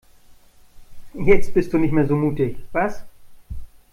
Jetzt bist du nicht mehr so mutig, was?